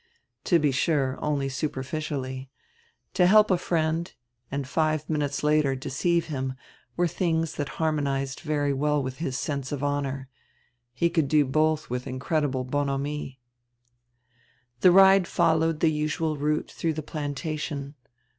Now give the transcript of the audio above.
To be sure, only superficially. To help a friend and five minutes later deceive him were tilings that harmonized very well widi his sense of honor. He could do both with incredible bonhomie. The ride followed die usual route dirough the 'Planta tion.'